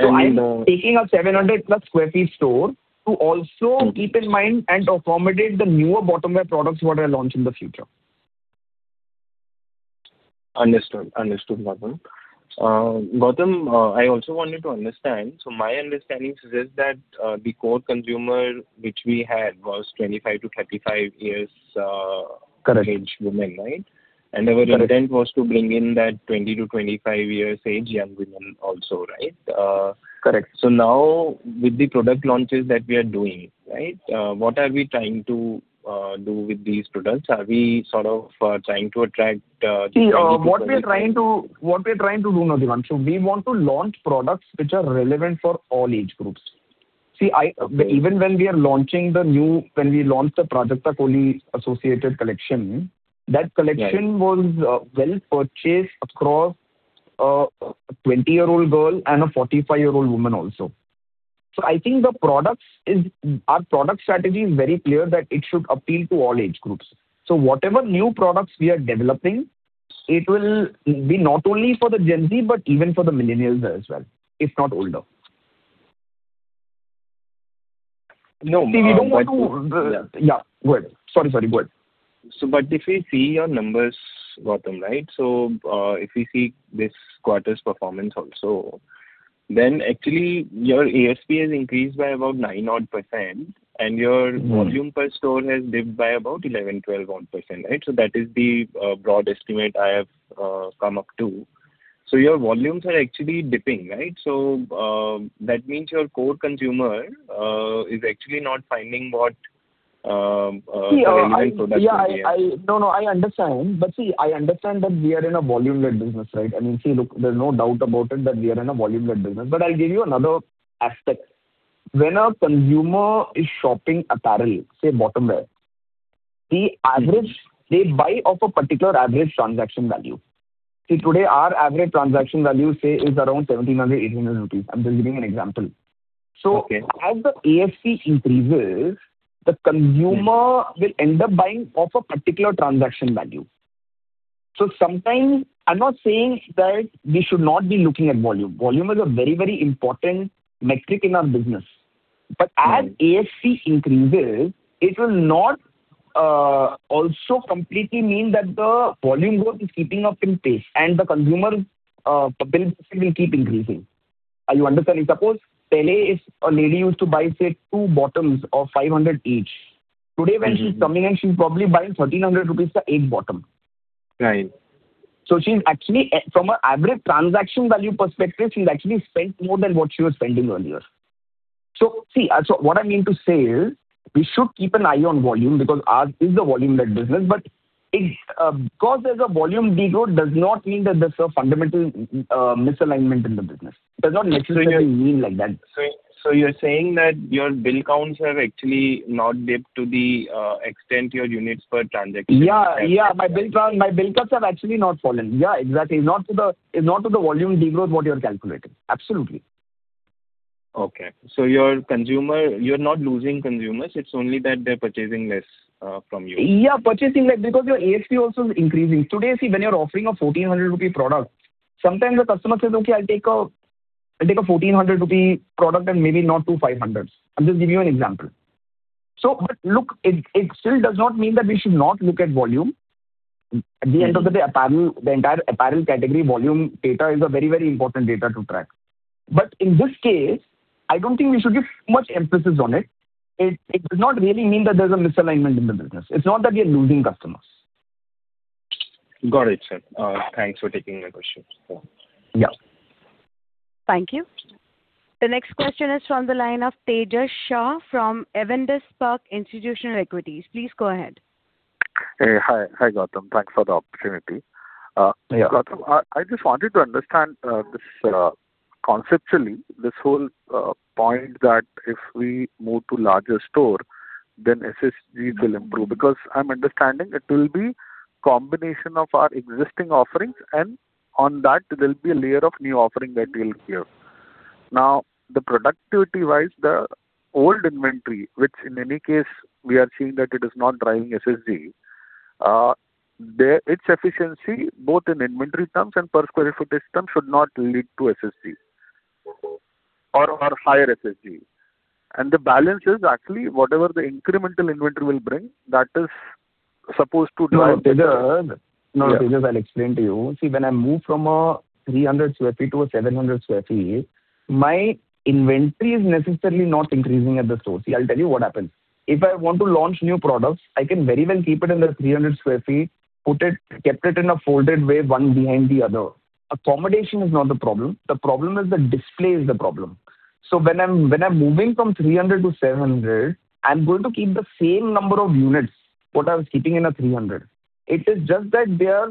I'm taking a 700+ sq ft store to also keep in mind and accommodate the newer bottom-wear products what I launch in the future. Understood. Understood, Gautam. Gautam, I also wanted to understand. My understanding suggests that, the core consumer which we had was 25 to 35 years. Correct... age women, right? Correct. Our intent was to bring in that 20 to 25 years age young women also, right? Correct. Now with the product launches that we are doing, right, what are we trying to do with these products? Are we sort of trying to attract the 20 plus age group? See, what we are trying to do, Devanshu, we want to launch products which are relevant for all age groups. Okay. When we launched the Prajakta Koli associated collection. Yeah that collection was well purchased across a 20-year-old girl and a 45-year-old woman also. I think Our product strategy is very clear that it should appeal to all age groups. Whatever new products we are developing, it will be not only for the Gen Z, but even for the millennials as well, if not older. See, we don't want to. Yeah, go ahead. Sorry. Go ahead. If we see your numbers, Gautam, right? If we see this quarter's performance also, actually your ASP has increased by about 9% odd. Mm-hmm. Volume per store has dipped by about 11%, 12 odd %, right? That is the broad estimate I have come up to. Your volumes are actually dipping, right? That means your core consumer is actually not finding what the relevant products are there. See, I understand. See, I understand that we are in a volume-led business, right? I mean, see, look, there's no doubt about it that we are in a volume-led business. I'll give you another aspect. When a consumer is shopping apparel, say bottom-wear, the average they buy off a particular average transaction value. See, today our average transaction value, say, is around 1,700, 1,800 rupees. I'm just giving an example. Okay. As the ASP increases, the consumer will end up buying off a particular transaction value. Sometimes I'm not saying that we should not be looking at volume. Volume is a very, very important metric in our business. Mm-hmm. As ASP increases, it will not also completely mean that the volume growth is keeping up in pace and the consumer bill percentage will keep increasing. Are you understanding? Suppose earlier if a lady used to buy, say, two bottoms of 500 each. Mm-hmm. Today when she's coming in, she's probably buying 1,300 rupees for each bottom. Right. She's actually, from an average transaction value perspective, she's actually spent more than what she was spending earlier. See, what I mean to say is, we should keep an eye on volume because ours is a volume-led business. If, because there's a volume degrowth does not mean that there's a fundamental misalignment in the business. Does not necessarily- So you're- -mean like that. -you're saying that your bill counts have actually not dipped to the extent your units per transaction- Yeah, yeah. My bill counts have actually not fallen. Yeah, exactly. It's not to the volume degrowth what you're calculating. Absolutely. Okay. You're not losing consumers, it's only that they're purchasing less from you. Yeah, purchasing less because your ASP also is increasing. Today, see, when you're offering a 1,400 rupee product, sometimes the customer says, "Okay, I'll take a 1,400 rupee product and maybe not two 500." I'm just giving you an example. But look, it still does not mean that we should not look at volume. Mm-hmm. At the end of the day, apparel, the entire apparel category volume data is a very important data to track. In this case, I don't think we should give too much emphasis on it. It does not really mean that there's a misalignment in the business. It's not that we are losing customers. Got it, sir. Thanks for taking my question. Yeah. Thank you. The next question is from the line of Tejas Shah from Avendus Spark Institutional Equities. Please go ahead. Hey. Hi. Hi, Gautam. Thanks for the opportunity. Yeah. Gautam, I just wanted to understand, this, conceptually, this whole point that if we move to larger store, then SSGs will improve. I'm understanding it will be combination of our existing offerings and on that there'll be a layer of new offering that we'll give. Now, the productivity-wise, the old inventory, which in any case we are seeing that it is not driving SSG. Its efficiency both in inventory terms and per square footage terms should not lead to SSG. Mm-hmm. Or higher SSG. The balance is actually whatever the incremental inventory will bring, that is supposed to drive. No, Tejas. Tejas, I'll explain to you. See, when I move from a 300 sq ft to a 700 sq ft, my inventory is necessarily not increasing at the store. See, I'll tell you what happens. If I want to launch new products, I can very well keep it in the 300 sq ft, kept it in a folded way, one behind the other. Accommodation is not the problem. The problem is the display. When I'm moving from 300 sq ft-700 sq ft, I'm going to keep the same number of units what I was keeping in a 300 sq ft. It is just that they are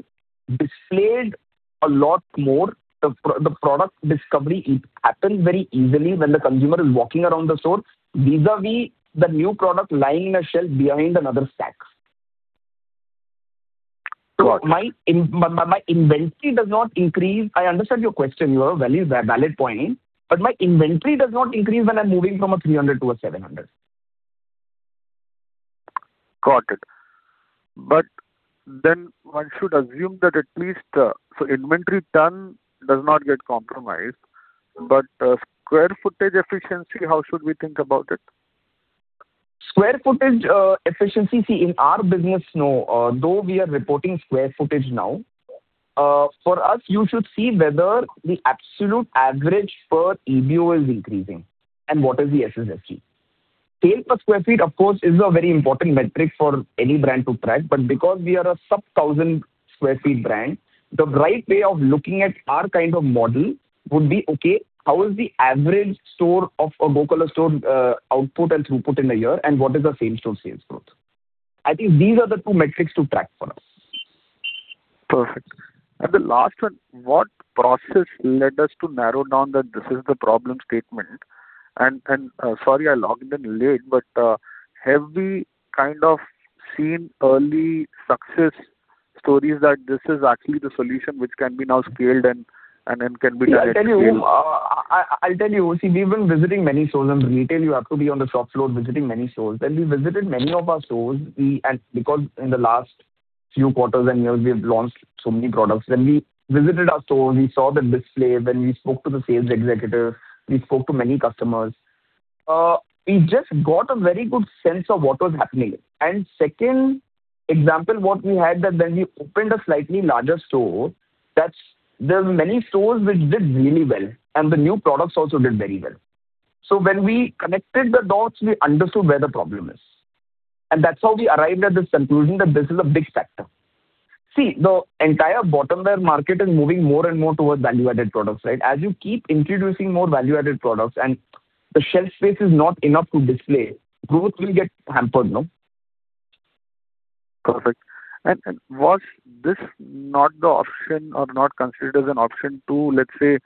displayed a lot more. The product discovery happens very easily when the consumer is walking around the store vis-à-vis the new product lying in a shelf behind another stack. Got it. My inventory does not increase. I understand your question. Your value is a valid point, but my inventory does not increase when I'm moving from a 300 sq ft to a 700 sq ft. Got it. One should assume that at least inventory turn does not get compromised. Mm-hmm. Square footage efficiency, how should we think about it? Square footage efficiency. See, in our business, no, though we are reporting square footage now, for us you should see whether the absolute average per EBO is increasing and what is the SPSF. Sale per square feet, of course, is a very important metric for any brand to track. Because we are a sub-1,000 sq ft brand, the right way of looking at our kind of model would be, okay, how is the average store of a Go Colors store output and throughput in a year, and what is the same-store sales growth? I think these are the two metrics to track for us. Perfect. The last one, what process led us to narrow down that this is the problem statement? Sorry I logged in late, but, have we kind of seen early success stories that this is actually the solution which can be now scaled and then can be directly scaled? Yeah. I'll tell you. We've been visiting many stores. In retail you have to be on the shop floor visiting many stores, and we visited many of our stores. Because in the last few quarters and years, we have launched so many products. When we visited our store, we saw the display, when we spoke to the sales executive, we spoke to many customers. We just got a very good sense of what was happening. Second example what we had that when we opened a slightly larger store, there were many stores which did really well, and the new products also did very well. When we connected the dots, we understood where the problem is. That's how we arrived at this conclusion that this is a big factor. See, the entire bottom-wear market is moving more and more towards value-added products, right? As you keep introducing more value-added products and the shelf space is not enough to display, growth will get hampered, no? Perfect. Was this not the option or not considered as an option to, let's say,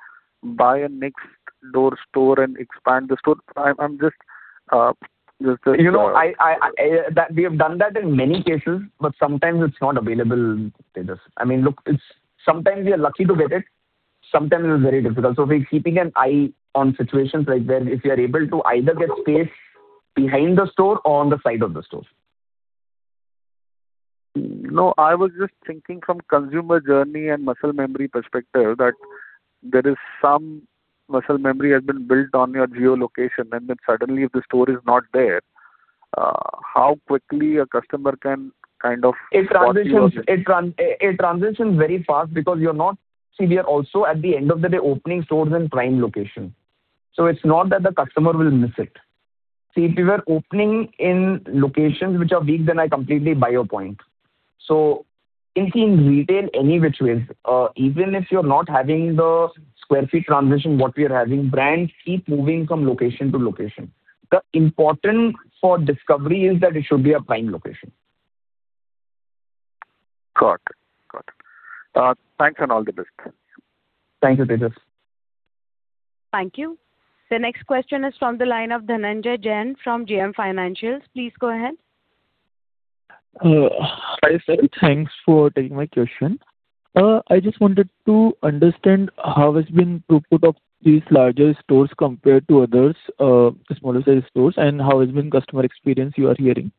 buy a next door store and expand the store? I'm just. You know, I have done that in many cases, but sometimes it's not available, Tejas. I mean, look, it's. Sometimes we are lucky to get it, sometimes it is very difficult. We're keeping an eye on situations like that. If we are able to either get space behind the store or on the side of the store. No, I was just thinking from consumer journey and muscle memory perspective that there is some muscle memory has been built on your geo-location, and then suddenly if the store is not there. It transitions, it transitions very fast because you're not. We are also at the end of the day opening stores in prime location. It's not that the customer will miss it. If you are opening in locations which are weak, then I completely buy your point. I think in retail any which ways, even if you're not having the square feet transition what we are having, brands keep moving from location to location. The importance for discovery is that it should be a prime location. Got it. Got it. Thanks and all the best. Thank you, Tejas. Thank you. The next question is from the line of Dhananjay Jain from JM Financial. Please go ahead. Hi, sir. Thanks for taking my question. I just wanted to understand how has been throughput of these larger stores compared to others, the smaller size stores, and how has been customer experience you are hearing?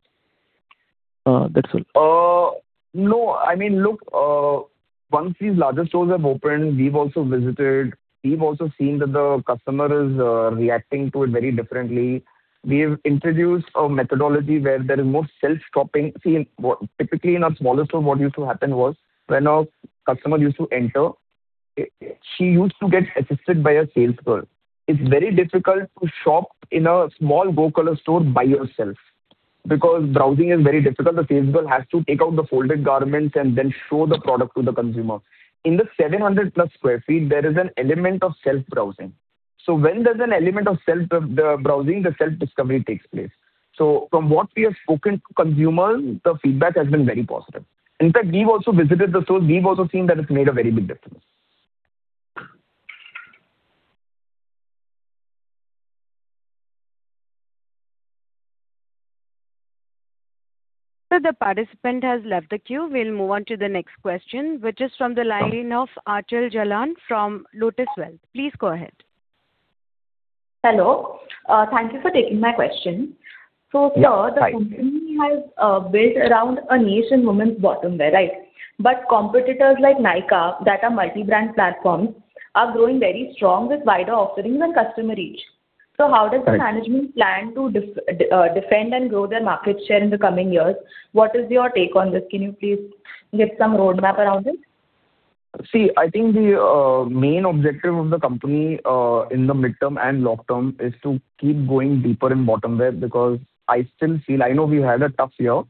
That's all. No, I mean, look, once these larger stores have opened, we've also visited, we've also seen that the customer is reacting to it very differently. We've introduced a methodology where there is more self shopping. Typically in our smaller store, what used to happen was when a customer used to enter, she used to get assisted by a sales girl. It's very difficult to shop in a small Go Colors store by yourself because browsing is very difficult. The sales girl has to take out the folded garments and then show the product to the consumer. In the 700+ sq ft, there is an element of self browsing. When there's an element of self browsing, the self-discovery takes place. From what we have spoken to consumers, the feedback has been very positive. We've also visited the stores. We've also seen that it's made a very big difference. Sir, the participant has left the queue. We'll move on to the next question, which is from the line of Aanchal Jalan from Lotus Wealth. Please go ahead. Hello. Thank you for taking my question. Yeah. Hi. Sir, the company has built around a niche in women's bottom wear, right? Competitors like Nykaa that are multi-brand platforms are growing very strong with wider offerings and customer reach. Right. How does the management plan to defend and grow their market share in the coming years? What is your take on this? Can you please give some roadmap around it? See, I think the main objective of the company in the midterm and long term is to keep going deeper in bottom wear because I still feel. I know we had a tough year,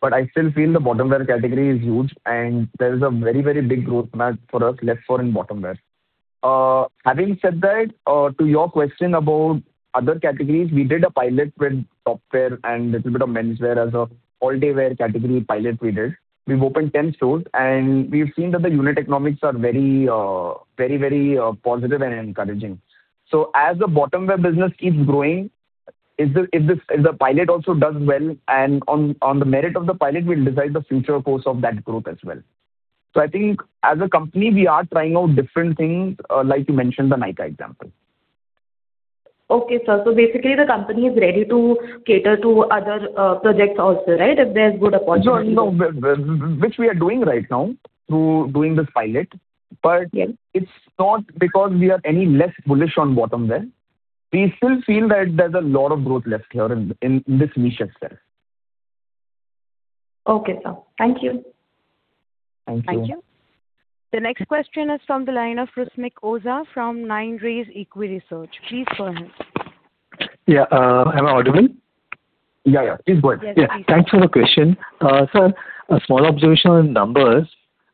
but I still feel the bottom wear category is huge and there is a very, very big growth map for us left for in bottom wear. Having said that, to your question about other categories, we did a pilot with top wear and little bit of men's wear as an all-day wear category pilot we did. We've opened 10 stores, and we've seen that the unit economics are very, very, positive and encouraging. As the bottom wear business keeps growing, if the pilot also does well and on the merit of the pilot, we'll decide the future course of that growth as well. I think as a company, we are trying out different things, like you mentioned the Nykaa example. Okay, sir. Basically the company is ready to cater to other projects also, right? If there's good opportunity. No, no, which we are doing right now through doing this pilot. Yes. It's not because we are any less bullish on bottom wear. We still feel that there's a lot of growth left here in this niche itself. Okay, sir. Thank you. Thank you. Thank you. The next question is from the line of Rusmik Oza from 9 Rays EquiResearch. Please go ahead. Yeah. Am I audible? Yeah, yeah. Please go ahead. Yes, please. Yeah. Thanks for the question. Sir, a small observation on numbers.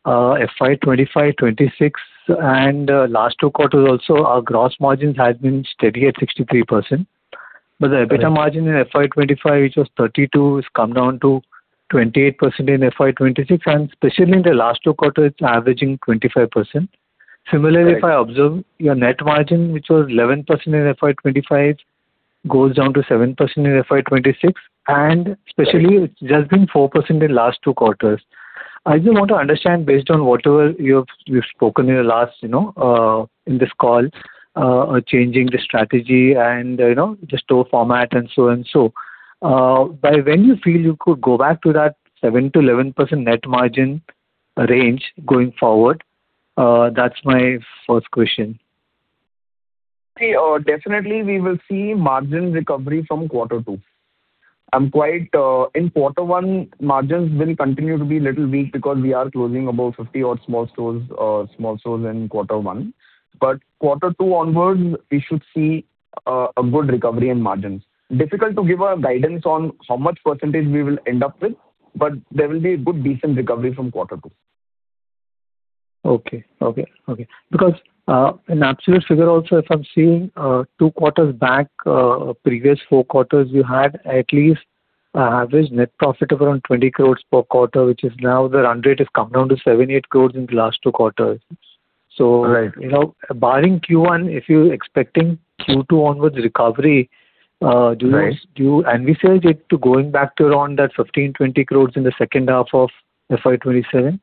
FY 2025, 2026 and last two quarters also our gross margins has been steady at 63%. Right. The EBITDA margin in FY 2025, which was 32%, has come down to 28% in FY 2026, and especially in the last two quarters, it's averaging 25%. Right. Similarly, if I observe your net margin, which was 11% in FY 2025, goes down to 7% in FY 2026. Right. Especially it's just been 4% in the last two quarters. I just want to understand, based on whatever you've spoken in your last, you know, in this call, changing the strategy and, you know, the store format and so and so, by when you feel you could go back to that 7%-11% net margin range going forward? That's my first question. See, definitely we will see margin recovery from quarter 2. I'm quite. In quarter 1, margins will continue to be a little weak because we are closing above 50 sq ft odd small stores in quarter 1. Quarter 2 onwards, we should see a good recovery in margins. Difficult to give a guidance on how much percentage we will end up with, but there will be a good decent recovery from quarter 2. Okay. Okay. Okay. In absolute figure also, if I'm seeing, two quarters back, previous four quarters, you had at least a average net profit of around 20 crores per quarter, which is now the run rate has come down to 7 crores, 8 crores in the last two quarters. Right. You know, barring Q1, if you're expecting Q2 onwards recovery, do you. Right. Do you envisage it to going back to around that 15 crores-20 crores in the second half of FY 2027?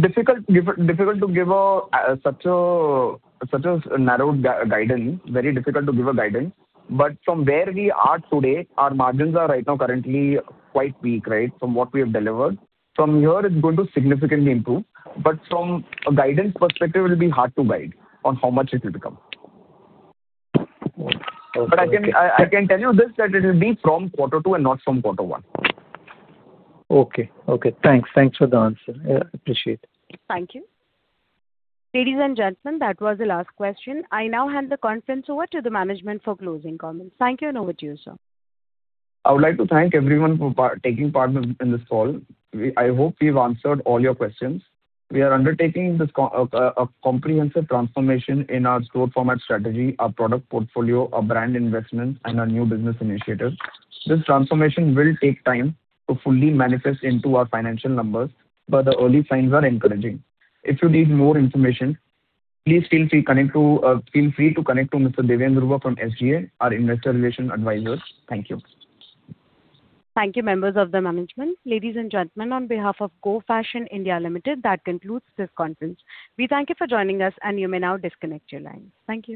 Difficult to give a such a such a narrowed guidance. Very difficult to give a guidance. From where we are today, our margins are right now currently quite weak, right? From what we have delivered. From here, it's going to significantly improve. From a guidance perspective, it'll be hard to guide on how much it will become. Okay. I can tell you this, that it'll be from quarter 2 and not from quarter 1. Okay. Okay, thanks. Thanks for the answer. Yeah, appreciate. Thank you. Ladies and gentlemen, that was the last question. I now hand the conference over to the management for closing comments. Thank you and over to you, sir. I would like to thank everyone for taking part in this call. I hope we've answered all your questions. We are undertaking a comprehensive transformation in our store format strategy, our product portfolio, our brand investment, and our new business initiatives. This transformation will take time to fully manifest into our financial numbers, but the early signs are encouraging. If you need more information, please feel free to connect to Mr. Devendra Verma from SGA, our Investor Relations Advisors. Thank you. Thank you, members of the management. Ladies and gentlemen, on behalf of Go Fashion (India) Limited, that concludes this conference. We thank you for joining us and you may now disconnect your lines. Thank you.